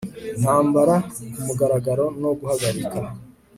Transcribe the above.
intambara ku mugaragaro no guhagarika